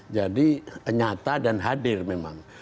jadi nyata dan hadir memang